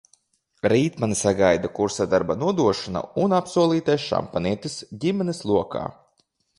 Rīt mani sagaida kursa darba nodošana un apsolītais šampanietis ģimenes lokā.